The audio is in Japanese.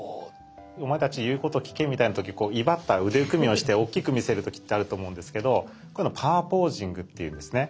「お前たち言うこと聞け」みたいな時こう威張った腕組みをしておっきく見せる時ってあると思うんですけどこういうのをパワーポージングっていうんですね。